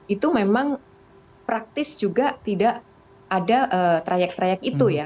itu memang praktis juga tidak ada trayek trayek itu ya